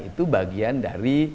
itu bagian dari